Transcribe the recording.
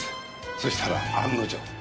そしたら案の定。